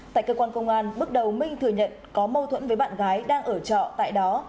tại cơ quan công an bước đầu minh thừa nhận có mâu thuẫn với bạn gái đang ở trọ tại đó